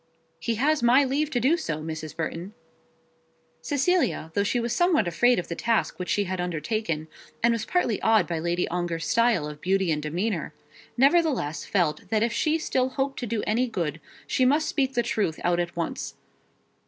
"He has my leave to do so, Mrs. Burton." Cecilia, though she was somewhat afraid of the task which she had undertaken, and was partly awed by Lady Ongar's style of beauty and demeanour, nevertheless felt that if she still hoped to do any good, she must speak the truth out at once.